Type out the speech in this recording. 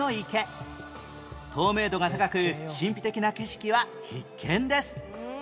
透明度が高く神秘的な景色は必見です